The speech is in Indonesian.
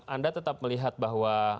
anda tetap melihat bahwa